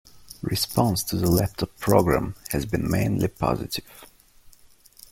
Response to the laptop program has been mainly positive.